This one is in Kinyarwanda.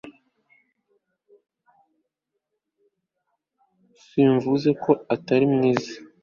Simvuze ko utari mwiza